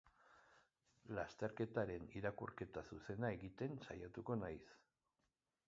Lasterketaren irakurketa zuzena egiten saiatuko naiz.